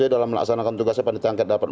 dalam melaksanakan tugasnya pandai tangkat dapat